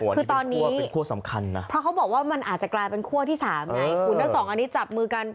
คือตอนนี้เพราะเขาบอกว่ามันอาจจะกลายเป็นคั่วที่สามไงฝุ่นทั้งสองอันนี้จับมือกัน